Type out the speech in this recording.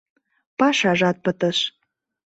Пашажат пытыш.